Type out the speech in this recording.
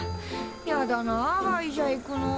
やだな歯医者行くの。